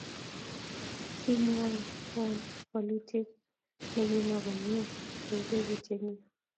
Kimwai won wlutyet ne kima komnye eng teputyet nyun